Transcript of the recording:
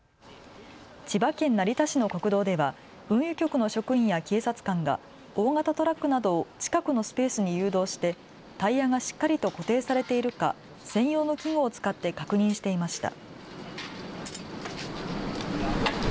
千葉県成田市の国道では運輸局の職員や警察官が大型トラックなどを近くのスペースに誘導してタイヤがしっかりと固定されているか専用の器具を使って確認していました。